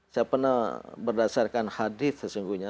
saya pernah berdasarkan hadith sesungguhnya